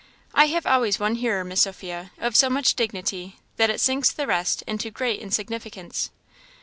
"I have always one hearer, Miss Sophia, of so much dignity, that it sinks the rest into great insignificance."